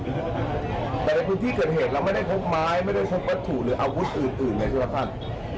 แต่ในพื้นที่เกิดเหตุเราไม่ได้พบไม้ไม่ได้พบวัตถุหรืออาวุธอื่นเลยใช่ไหมครับ